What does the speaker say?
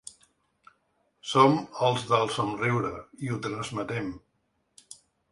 Som “els del somriure” i ho transmetem.